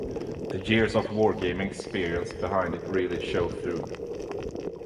The years of wargaming experience behind it really show through.